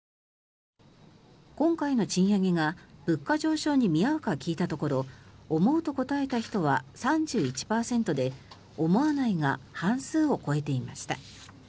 今回の賃上げが物価上昇に見合うか聞いたところ思うと答えた人は３１％で思わないが半数を超えていました。